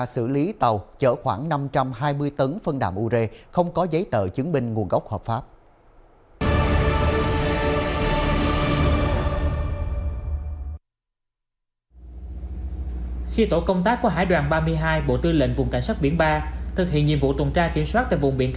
xử lý tàu chở khoảng năm trăm hai mươi tấn